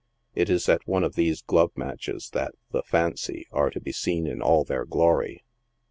It is at one of these glove matches that the " fancy"' are to be seen in all their glory.